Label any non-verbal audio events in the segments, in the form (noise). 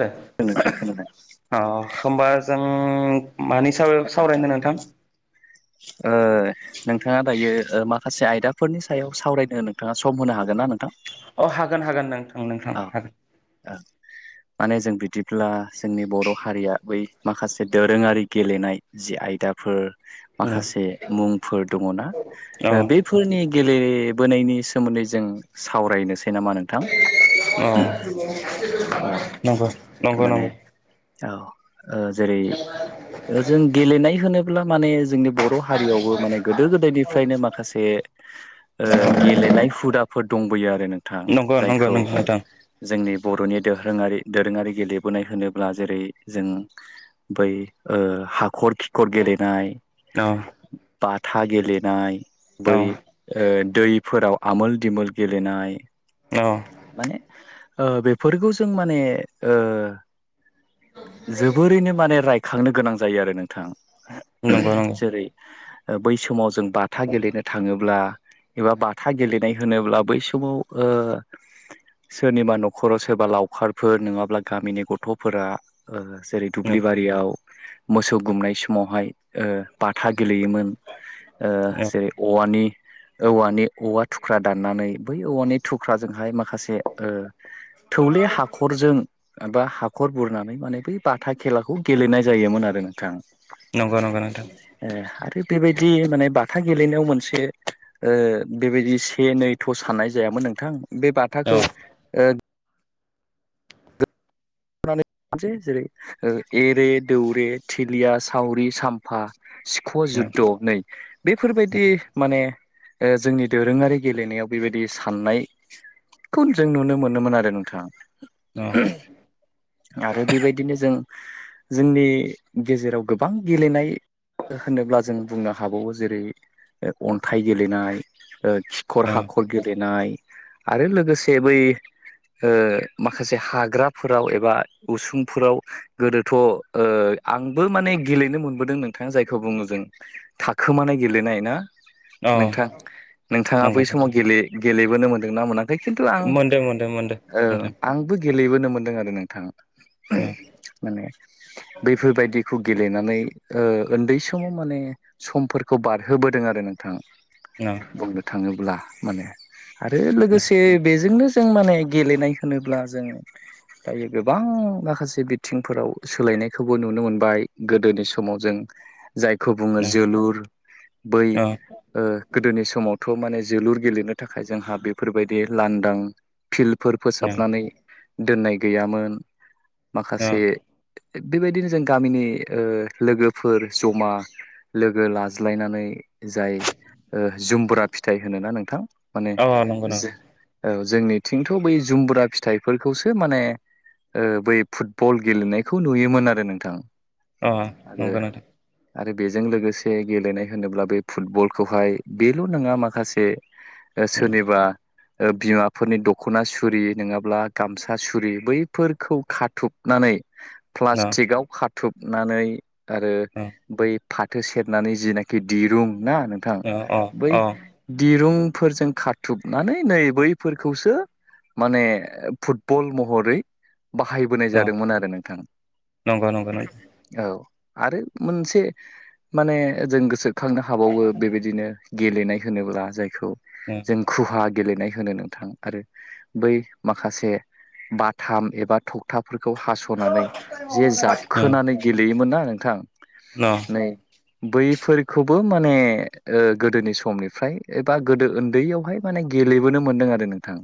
दे नोंथां खोनादों अ होमबा जों मानि साव सावरायनो नोंथां नोंथाङा दायो माखासे आयदा फोरनि सायाव सावरायनो नोंथाङा सम होनो हागोन ना नोंथां अ हागोन हागोन नों नोंथां औ हागोन औ माने जों बिदिब्ला जोंनि बर' हारिया बै माखासे दोरोङारि गेलेनाय जि आयदाफोर औ माखासे मुंफोर दङना औ बेफोरनि गेलेबोनायनि सोमोन्दै जों सावरायनोसै नामा नोंथां औ औ नंगौ नंगौ माने नंगौ औ जेरै जों गेलेनाय होनोब्ला माने जोंनि बर हारियावबो माने गोदो गोदायनिफ्रायनो माखासे ओ गेलेनाय हुदाफोर दंबोयो आरो नोंथां नंगौ नंगौ नंगौ जायखौ नोंथां जोंनि बर'नि दोरारि दोरोङारि गेलेबोनाय होनोब्ला जेरै जों बै ओ हाखर खि खर गेलेनाय औ बाथा गेलेनाय बै औ ओ दैफोराव आमोल दिमोल गेलेनाय औ माने ओ बेफोरखौ जों माने ओ जोबोरैनो माने रायखांनो गोनां जायो आरो नोंथां नंगौ नंगौ जेरै बै समाव जों बाथा गेलेनो थाङोब्ला एबा बाथा गेलेनाय होनोब्ला बै समाव ओ सोरनिबा न'खराव सोरबा लावखारफोर नङाबा अब्ला गामिनि गथफोरा जेरै औ दुब्लि बारियाव मोसौ गुमनाय समावहाय ओ बाथा गेलेयोमोन ओ जेरै औवानि औवानि औवा थुख्रा दाननानै बै औवानि थुख्राजोंहाय मा माखासे ओ थौले हाखरजों बा हाखर बुरनानै माने बै बाथा खेलाखौ गेलेनाय जायोमोन आरो नोंथां नंगौ नंगौ नोंथां थिग बेबायदि माने बाथा गेलेनायाव मोनसे ओ बेबायदि से नै थ' साननाय जायामोन। नोंथां बे औ बाथाखौ नैसै जेरै एरे दौरे थिलिया सावरि सामफा सिख जुद्ध नै बेफोरबायदि माने ओ जोंनि दोरोङारि गेलेनायाव बेबायदि साननाय खुनजों नुनो मोनोमोन आरो नोंथां औ आरो बेबायदिनो जों जोंनि गेजेराव गोबां गेलेनाय होनोब्ला जों बुंनो हाबावो जेरै अन्थाइ गेलेनाय ओ खिखर हाखर गेलेनाय आरो लोगोसे बै ओ माखासे हाग्राफोराव उसुंफोराव गोदोथ ओ आंबो माने गेलेनो मोनबोदों नोंथाङा जायखौ बुङो जों थाखोमानाय गेलेनाय ना औ नोंथां नोंथाङा नंगौ बै समाव नोंथां गेल गेलेबोनो मोनदोंनाा मोन फ्राय खिन्थु आं मोनदों मोनदों मोनदों ओ नोंथां आंबो गेलेबोनो मोनदों आरो नोंथां औ माने बैफोरबायदिखौ गेलेनानै उन्दै समाव माने समफोरखौ बारहोबोदों आरो नोंथाङा औ बुंनो थाङोब्ला माने आरो लोगोसे बेजोंनो जों माने गेलेनाय होनोब्ला जों दायो गोबां माखासे बिथिंफोराव सोलायनायखौबो नुनो मोनबाय गोदोनि समाव जों जायखौ बुङो जोलुर बै गोदोनि समाव थ माने जोलुर गेलेनो थाखाय जोंहा बेफोरबायदि लांदां फिल्डफोर फोसाबनानै दोननाय गैयामोन माखासे बेबायदिनो जों गामिनि ओ लोगोफोर जमा लोगो लाज्लायनानै जाय जुमबुरा फिथाइ होनोना नोंथां माने औ नंगौ नंगौ जो ओ जोंनिथिंथ बै जुमबुरा फिथाइफोरखौसो माने बै फुटबल गेलेनायखौ नुयोमोन आरो नोंथां अ आरो नंग नोंथां आरो बेजों लोगोसे गेलेनाय होनोब्ला बे फुटबलखौहाय बेल' नङा माखासे सोरनिबा बिमाफोरनि दख'ना सुरि नङाब्ला गामसा सुरि बैफोरखौ खाथुबनानै अ प्लास्टिकआव खाथुबनानै आरो बै फाथो सेरनानै जिनाखि दिरुं ना नोंथां अ अ बै अ दिरुं फोरजों खाथुबनानै नै बैफोरखौसो माने फुटबल महरै बाहायबोनाय अ जादोंमोन आरो नोंथां नंगौ नंगौ नंगौ औ आरो मोनसे माने जों गोसोखांनो हाबावो बेबायदिनो गेलेनाय होनोब्ला जायखौ जों खुहा गेलेनाय नोंथां आरो बै माखासे बाथाम एबा थख थाफोरखौ हासनानै जे जाबखोनानै गेलेयोमोन ना नोंथां अ नै बैफोरखौबो माने गोदोनि समनिफ्राय एबा गोदो उन्दैयावहाय माने गेलेबोनो मोनदों आरो नोंथां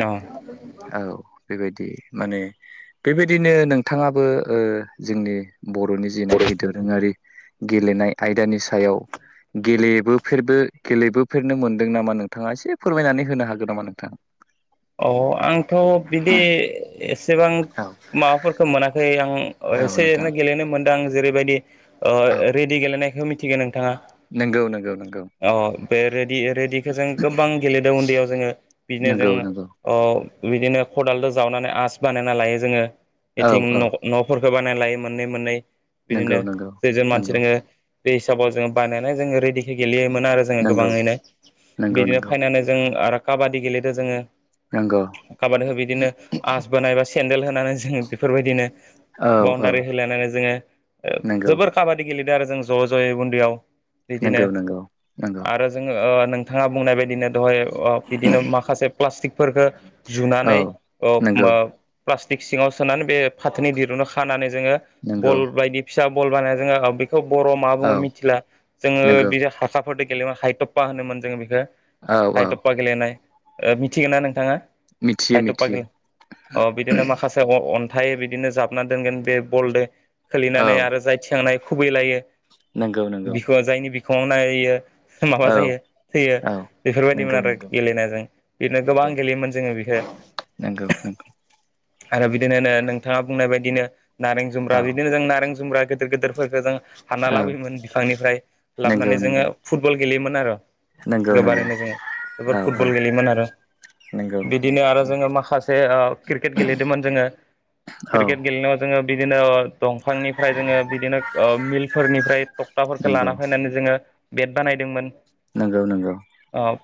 औ औ बेबायदि माने बेबायदिनो नोंथाङाबो ओ जोंनि बर'नि जेनाखि दोरोङारि गेलेनाय आयदानि सायाव गेलेबोफेरबो गेलेबोफेरनो मोनदों नामा नोंथाङा एसे फोरमायनानै होनो हागोन नामा नोंथां औ आंथ' बिदि एसेबां औ माबाफोरखौ मोनाखै आं औ एसे नोंथां एरैनो गेलेनो मोनदों आं जेरैबायदि ओ औ रेडि गेलेनायखौ मिथिगो नों- बिथाङा नंगौ नंगौ नंगौ अ बे रेडि रेडिखौ जों गोबां गेलेदों उन्दैयाव जोङो नगौ नगौ ओ बिदिनो खदालजों जावनानै आसि बानायना लायो जोङो औ बेथिं औ नफोरखौ बायना लायो मोननै मोननै नंगौ बिदिनो नंगौ जों मानसि नंगौ दोङो बे हिसाबाव जोङो बानायना जोङो रेडिखो गेलेयो मोन आरो जोङो नंगौ गोबाङैनो नंगौ बिदिनो नंगौ फाइनालि जों आरो काबादि गेलेदों जोङो नंगौ काबादखौ बिदिनो आस बोनाय बा सेन्देल होनानै जोङो बेफोरबायदिनो औ औ बाउनदारि होलायनानै जोङो नंगौ जोबोर काबादि गेले ज जयै उन्दैयाव बिदिनो नंगौ नंगौ नंगौ आरो जोङो ओ नोंथाङा बुंनाय बदिनो दहाय ओ बिदिनो माखासे प्लास्टिकफोरखौ औ जुनानै नंगौ प्लास्टिक सिङाव सोनानै बे फाथोनि दिरुआव खानानै जोङो नंगौ बल बायदि फिसा बल बानाया जोङो (unintelligible) बेखौ बर मा औ बुङो मिथिला जोङो नंगौ बि हाखाफोरजों गेलेयोमोन हाइथप्पा होनोमोन जोङो बेखौ औ औ हाइथतपा गेलेनाय ओ मिथिगौ ना नोंथाङा मिथियो हायथपा मिथियो गेले बिदिनो माखासे हाय बिदिनो जाबना दोनगोन बे बलजों औ खोलिनानै आरो जाय थिखांनाय खुबैलायो नंगौ नंगौ बिख जायनि बिखङाव नाङैयो माबा औ जायो थैयो औ बेफोरबायदिमोन नंगौ आरो नंगौ गेलेनायजों बिदिनो गोबां नंगौ गेलेयोमोन जोङो बेखौ नंगौ नंगौ आरो बिदिननो नोंथाङा बुंनाय बायदिनो नारें जुम्ब्रा औ बिदिनो जों नारें जुम्ब्रा गिदिर गिदिरफोरखौ जों हाना औ लाबोयोमोन बिफांनिफ्राय लाबानै नंगौ जोङो नंगौ फुटबल गेलेयोमोन आरो नंगौ नंगौ गोबारैनो जोङो औ जोब औ फुटबल गेलेयोमोन आरो नंगौ बिदिनो आरो औ जोङो माखासे ओ क्रिकेट गेलेदोंमोन जोङो क्रिकेट गेलेनायाव जोङो बिदिनो ओ दंफांनिफ्राय जोङो बिदिनो ओ मिलफोरनिफ्राय टक्टाफोरखौ नंगौ लाना फैनानै जोङो बेड बानायदोंमोन नंगौ नंगौ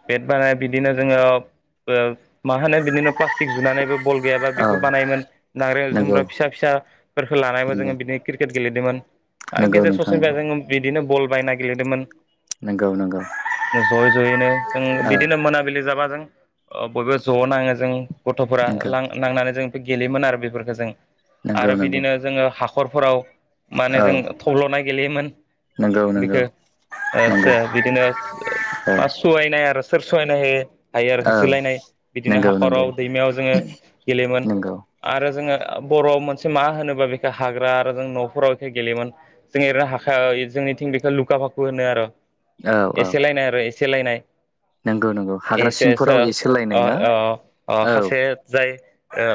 बेद बानाय बिदिनो जोङो बो मा होनो बिदिनो प्लाष्टिक जुनानैबो बल गैयाबा औ बेखौ बानायोमोन आरो नाग् नंगौ जुमग्रा फिसा फिसाफोरखौ लानायोन जोङो नंगौ बिदि क्रि क्रिकेट गेलेदोंमोन आरो नंगौ गेजेर नोंथां ससेनिफ्राय नंगौ जोङो बिदिनो बल बायना गेलेदोंमोन नंगौ नंगौ जयै जयैनो जों औ बिदिनो मोनाबिलि जाबा जों अ बयबो ज' नाङो जों गथ'फोरा नंगौ लां नां नांनानै जों बे गेलेयोमोन आरो बेफोरखो जों नंगौ आरो नंगौ बिदिनो जोङो हाखरफोराव माने औ जों थब्ल'नाय गेलेयोमोन नंगौ नंगौ बिखो ओ नंगौ सो बिदिनो औ बा सहायनाय आरो सो सोरसनो ह (unintelligible) औ जोलायनाय बिदिनो नंगौ नंगौ हाखराव दैमायाव जोङो गेलेयोमोन नंगौ आरो जोङो आ बर'आ मोनसे मा होनोबा बेखो हाग्रा आरो जों न'फोराव बेखो गेलेयोमोन जों एरै हाखा जोंनि इथिं बेखो लुका फाखु होनो आर' औ औ एसेलायनाय आर' एसेलायनाय नंगौ नंगौ हाग्रा सिंफोराव एसे लायनाय ना अय अ अ औ खासे जाय ओ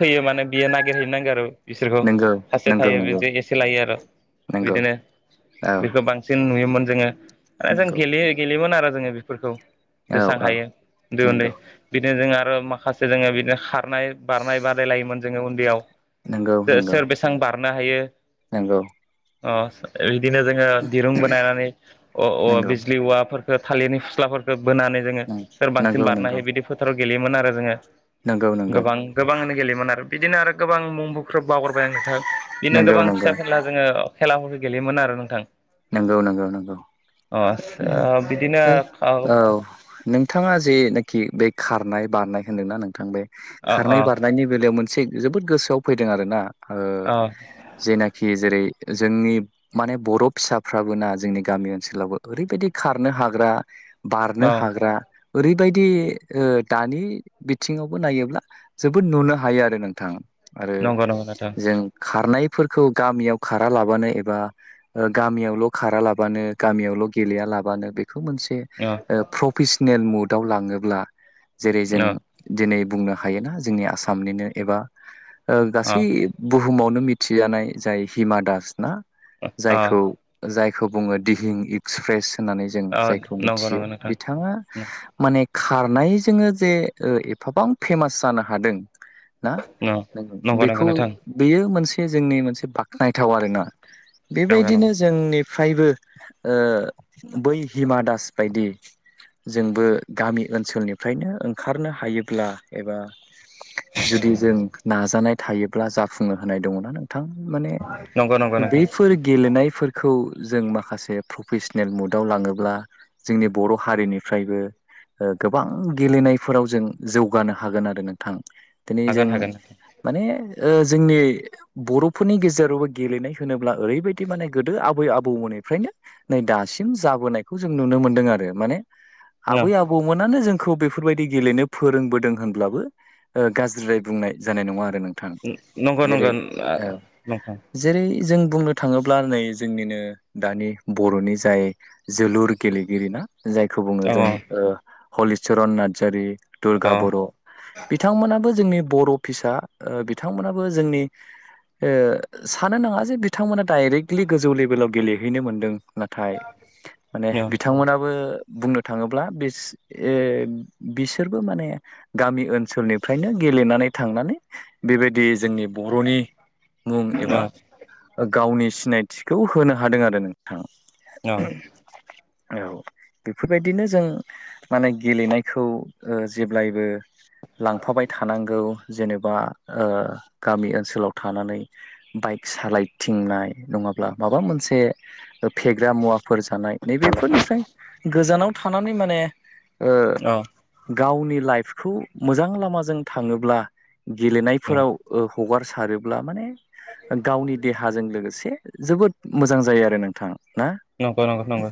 थैयो माने बियो नागिरहैनो नांगो आरो बिसोरखौ नंगौ सासे नंगौ थायो नंगौ बिदि एसे लायो आरो नंगौ बिदिनो औ बेखो बांसिन नुयोमोन जोङो दा जों नंगौ गेले गेलेयोमोन आरो जोङो बेफोरखौ औ जेसां औ हायो दो उन्दै नंगौ बिदिनो जोङो आरो माखासे जोङो बिदिनो खारनाय बारनाय बादायलायोमोन जोङो उन्दैयाव नंगौ सो नंगौ सोर बेसेबां बारनो हायो नंगौ ओ बिदिनो जोङो दिरुं बानायनायनानै औ नंगौ बिजलि औवाफोर थालिरनि फस्लाफोरखौ बोनानै जोङो सोर बांसिन नंगौ बारनो नंगौ हायो बिदि फोथाराव गेलेयोमोन आरो जोङो नंगौ नंगौ गोबां गोबांनो गेलेयोमोन आरो बिदिनो आरो गोबां मुं ख्रोब बावगारबाय आं नोंथां बिदिनो नंगौ गोबां फिसा फेनला जोङो खेलाफोरखो गेलेयोमोन आरो नोंथां नंगौ नंगौ नंगौ अ ओ ओ बिदिनो जाय अ औ नोंथाङा जेनोखि बे खारनाय बारनाय होनोना नोंथां बे अ अ खारनाय बारनायनि बेलायाव मोनसे जोबोद गोसोआव फैदो आरोना ओ अ औ जेनाखि जेरै जोंनि माने बरफ फिसाफ्राबो ना जोंनि गामि ओनसोलावबो ओरैबायदि खारनो हाग्रा बारनो हाग्रा ओरैबायदि दानि बिथिङावबो नायोब्ला जोबोद नुनो हायो आरो नोंथां आरो नंगौ नंगौ नोंथां जों खारनायफोरखौ गामियाव खारा लाबानो एबा गामियावल' खारा लाबानो गामियावल' गेलेया लाबानो बे खौ मोनसे अ ओ प्रफेसनेल मुदयाव लाङोब्ला जेरै जों अ दिनै बुंनो हायोना जोंनि आसामनिनो एबा ओ अ गासै बुहुमाव बेनो मिथिजानाय जाय हिमा दास ना अ जायखौ जायखौ बुङो दिहिं एक्सप्रेस होननानै जों अ जायखौ नंगौ मिथियो नंगौ नोंथां बिथाङा माने खारनाय जोङो जे ओ एफाबां फेमास जानो हादों। ना नंगौ नंगौ बेखौ नोंथां बेयो मोनसे जोंनि मोनसे बाख्नायथाव आरोना नंगौ बेबायदिनो नंगौ जोंनि फ्रायबो बै हिमा दास बायदि जोंबो गामि ओनसोलनिफ्रायनो ओंखारनो हायोब्ला एबा जुदि जों नाजानाय थायोब्ला जाफुंनो हानाय दङ ना नों नोंथां माने नंगौ नंगौ नोंथां बे गेलेनायफोरखौ जों माखासे प्रफेसनेल मुदाव लाङोब्ला जोंनि बर' हारिनिफ्राय फायबो ओ गोबां गेलेनायफोराव जों जौगानो हागोन आरो नोंथां दिनै जों हागोन हागोन माने ओ जोंनि बर'फोरनि गेजेरावबो गेलेनाय होनोब अब्ला ओरैबायदि माने गोदो आबै आबौमोननिफ्रायनो नै दासिम जाबोनायखौ जों नुनो मोन्दों आरो माने। आबै आबौमोनानो जों खौ बेफोरबायदि गेलेनो फोरोंबोदों होनब्लाबो ओ गाज्रिद्राय बुंनाय जानाय नङा आरो नों नोंथां नंगौ जेर नंगौ औ नोंथां जेरै जों बुंनो थाङोब्ला नै जोंनिनो दानि बर'नि जाय जोलुर गेलेगिरि ना जायखौ बुङो औ जों ओ हलिचरन नार्जारि दुर्गा औ बर'बिथांमोनाबो जोंनि बर' फिसा ओ बिथांमोनाबो जोंनि ओ सानो नाङा जे बि बिथांमोना डाइरेक्टलि गोजौ लेभेलाव गेलेहैनो मोन्दों नाथाय माने बिथांमोनाबो बुंनो थाङोब्ला बिसो ए बिसोरबो माने गामि ओनसोलनिफ्रायनो गे गेलेनानै थांनानै बेबायदि जोंनि बर'नि मुं एबा गावनि सिनायथिखौ होनो हादों आरो नोंथाङा अह औ। बेफोरबायदिनो जों माने गेलेनायखौ ओ जेब्लायबो लांफाबाय थानांगौ। जेनेबा ओ गामि ओनसोलाव थानानै बाइक सालाय थिंनाय नङाब्ला माबा मोनसे फेग्रा मुवाफोरजों थानाय नैबेफोरनिफ्राय गोजानाव थानानै माने ओ औ गावनि लाइफखौ मोजां लामाजों थाङोब्ला गेलेनायफोराव ओ हगारसारोब्ला माने गावनि राहाजों लोगोसे जोबोद मोजां जायो आरो नोंथाङा नंगो नंगो नंगो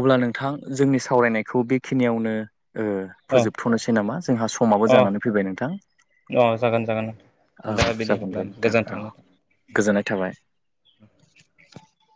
अब्ला नोंथां जोंनि सावरायनायखौ बेखिनियावनो ओ औ फोजोबथ'नोसै नामा जोंहा समाबो जानानै फैबाय नोंथां दा औ दा बिनि जागोन दे होनब्ला नोंथां औ गोजानथांना गोजोननाय थाबाय